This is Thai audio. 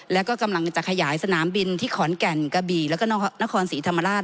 แล้วก็กำลังจะขยายสนามบินที่ขอนแก่นกระบี่แล้วก็นครศรีธรรมราช